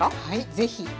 はいぜひ！